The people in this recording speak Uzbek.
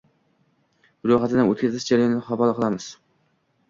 ro‘yxatidan o‘tkazish jarayonini havola qilamiz.